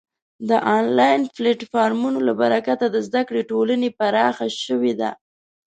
د آنلاین پلتفورمونو له برکته د زده کړې ټولنې پراخه شوې ده.